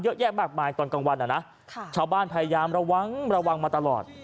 เยอะแยะมากมายตอนกลางวันชาวบ้านพยายามระวังมาตลอด